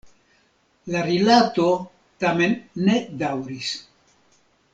La rilato tamen ne daŭris.